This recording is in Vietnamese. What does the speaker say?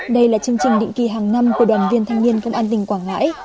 đây là chương trình định kỳ hàng năm của đoàn viên thanh niên công an tỉnh quảng ngãi